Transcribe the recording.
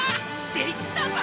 できたぞ！